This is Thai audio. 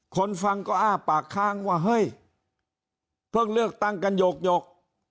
คนฟังก็อ้าปากค้างว่าเฮ้ยเพิ่งเลือกตั้งกันหยก